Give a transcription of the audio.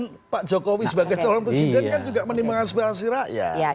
karena memutuskan pak jokowi sebagai calon presiden kan juga menimbang aspirasi rakyat